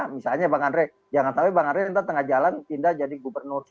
misalnya bang andre jangan sampai bang andre nanti tengah jalan pindah jadi gubernur